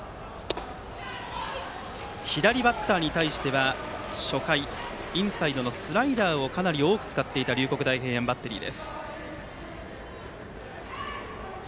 左バッターに対しては初回、インサイドのスライダーをかなり多く使っていた龍谷大平安バッテリー。